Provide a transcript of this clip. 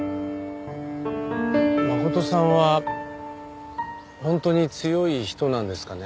真琴さんは本当に強い人なんですかね？